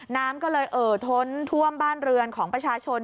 น้ำก็เลยเอ่อท้นท่วมบ้านเรือนของประชาชน